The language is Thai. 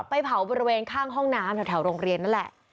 ไปเผาบริเวณข้างห้องน้ำแถวโรงเรียนนั่นแหละ